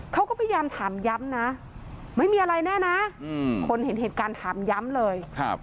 เขาก็พยายามถามย้ำนะไม่มีอะไรแน่นะคนเห็นเหตุการณ์ถามย้ำเลย